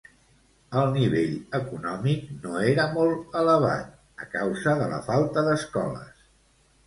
El nivell econòmic no era molt elevat, a causa de la falta d'escoles.